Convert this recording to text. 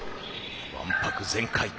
わんぱく全開。